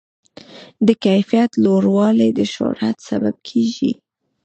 د کیفیت لوړوالی د شهرت سبب کېږي.